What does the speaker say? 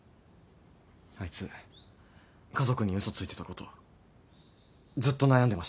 あいつ家族に嘘ついてたことずっと悩んでました。